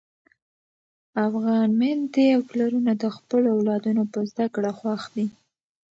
افغان میندې او پلرونه د خپلو اولادونو په زده کړو خوښ دي.